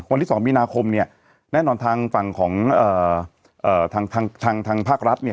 วันที่๒มีนาคมเนี่ยแน่นอนทางฝั่งของทางทางภาครัฐเนี่ย